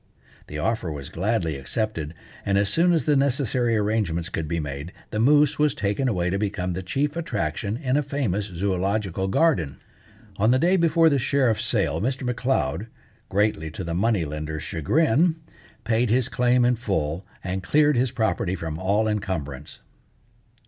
The offer was gladly accepted; and as soon as the necessary arrangements could be made, the moose was taken away to become the chief attraction in a famous zoological garden. On the day before the sheriff's sale Mr. M'Leod, greatly to the money lender's chagrin, paid his claim in full, and cleared his property from all encumbrance.